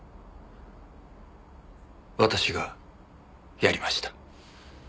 私がやりました。